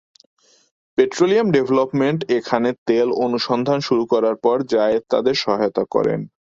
Petroleum development এখানে তেল অনুসন্ধান শুরু করার পর জায়েদ তাদের সহায়তা করেন।